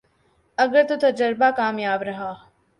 اگر تو تجربہ کامیاب رہا